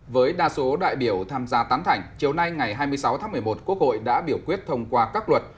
với đa số đại biểu tham gia tán thành chiều nay ngày hai mươi sáu tháng một mươi một quốc hội đã biểu quyết thông qua các luật